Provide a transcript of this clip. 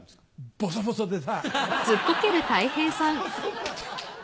「ボソボソでさ」。